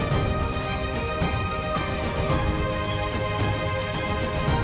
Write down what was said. menyimpan banyak kisah